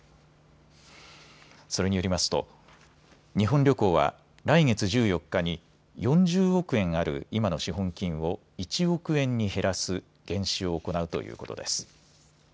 それによりますと日本旅行は来月１４日に４０億円ある今の資本金を１億円に減らす減資を行うということです。